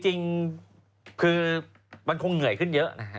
จริงคือมันคงเหนื่อยขึ้นเยอะนะฮะ